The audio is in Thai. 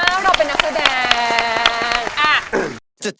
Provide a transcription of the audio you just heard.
อ้าวก็เราเป็นนักแสดง